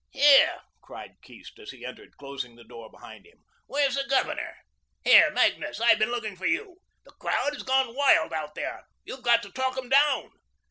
"Here," cried Keast, as he entered, closing the door behind him, "where's the Governor? Here, Magnus, I've been looking for you. The crowd has gone wild out there. You've got to talk 'em down.